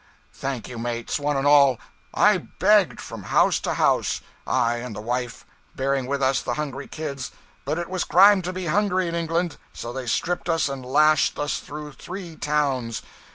Thank you, mates, one and all. I begged, from house to house I and the wife bearing with us the hungry kids but it was crime to be hungry in England so they stripped us and lashed us through three towns.